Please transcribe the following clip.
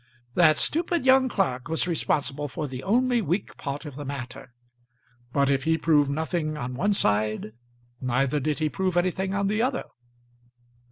That stupid young clerk was responsible for the only weak part of the matter; but if he proved nothing on one side, neither did he prove anything on the other.